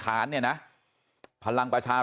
ดูเสียงในซีก๓๑๒เสียง